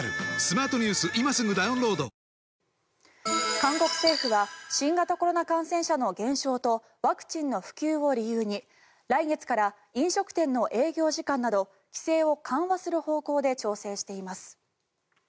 韓国政府は新型コロナ感染者の減少とワクチンの普及を理由に来月から飲食店の営業時間など規制を緩和する方向で調整しています。